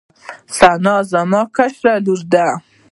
ثنا زما کشره لور ده